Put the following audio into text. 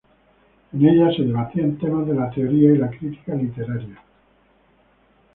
En ella se debatían temas de la teoría y la crítica literaria.